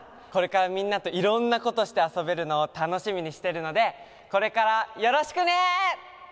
これからみんなといろんなことしてあそべるのをたのしみにしてるのでこれからよろしくね！